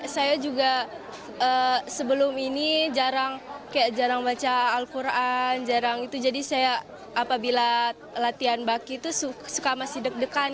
saya juga sebelum ini jarang baca al quran jadi saya apabila latihan baki itu suka masih deg degan